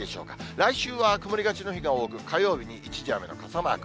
来週は曇りがちの日が多く、火曜日に一時雨の傘マーク。